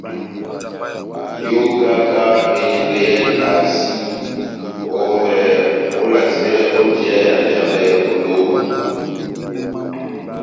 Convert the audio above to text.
Yokaka enyɛngɛ yá ikasi, ó ovɛ olasɛ ó njeyá ya Njambɛ ó lóba.